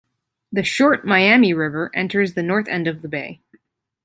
The short Miami River enters the north end of the bay.